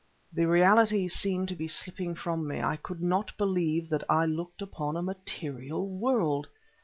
The realities seemed to be slipping from me; I could not believe that I looked upon a material world.